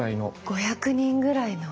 ５００人ぐらいの？